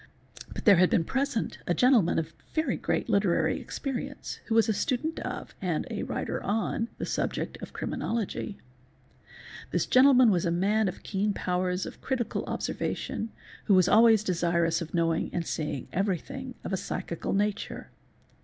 But there had been present a gentleman of very great literary experience who was a student of, and writer on, the subject of criminology. This gentleman was a man of keen powers of critical observation who was always desirous of knowing and seeing everything of a psychical nature.